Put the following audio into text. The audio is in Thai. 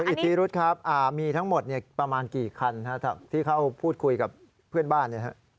อิทธิรุธครับมีทั้งหมดประมาณกี่คันที่เขาพูดคุยกับเพื่อนบ้าน